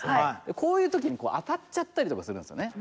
こういう時に当たっちゃったりとかするんですよね。